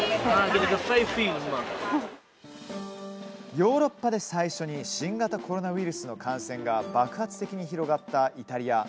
ヨーロッパで最初に新型コロナウイルスの感染が爆発的に広がったイタリア。